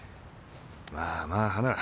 まあまあ花